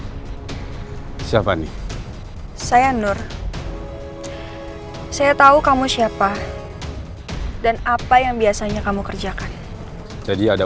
siapa nih saya nur saya tahu kamu siapa dan apa yang biasanya kamu kerjakan jadi ada